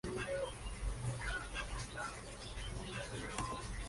En Palma de Mallorca una calle lleva su nombre.